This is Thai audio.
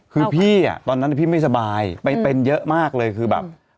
คือพี่อ่ะตอนนั้นพี่ไม่สบายไปเป็นเยอะมากเลยคือแบบ